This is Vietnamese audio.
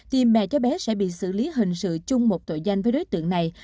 thì mẹ cháu bé sẽ bị xử lý hình sự chung một tội gian với đối tượng này